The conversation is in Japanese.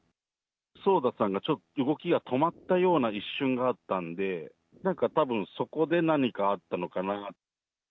ＳＯＤＡさんがちょっと、動きが止まったような一瞬があったんで、なんかたぶん、そこで何かあったのかな。